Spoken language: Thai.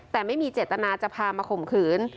แต่ไม่มีเจตนาจะพามาข่มขืน